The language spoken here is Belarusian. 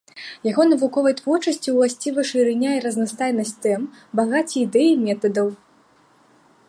Яго навуковай творчасці ўласціва шырыня і разнастайнасць тэм, багацце ідэй і метадаў.